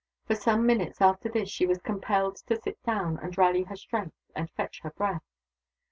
For some minutes after this she was compelled to sit down, and rally her strength and fetch her breath.